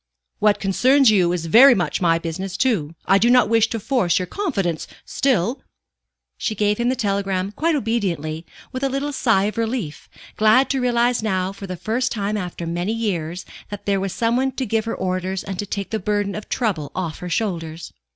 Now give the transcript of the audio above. "What concerns you is very much my business, too. I do not wish to force your confidence, still " She gave him the telegram quite obediently, with a little sigh of relief, glad to realize now, for the first time after many years, that there was some one to give her orders and take the burden of trouble off her shoulders.